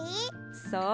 そう。